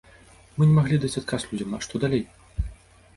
Мы не маглі даць адказ людзям, а што далей?